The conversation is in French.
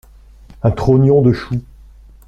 Un trognon de chou.